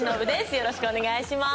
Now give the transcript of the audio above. よろしくお願いします。